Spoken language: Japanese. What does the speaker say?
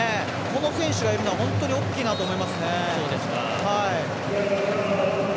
この選手がいるのは本当に大きいなと思いますね。